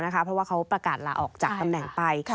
เพราะว่าเขาประกาศลาออกจากตำแหน่งไป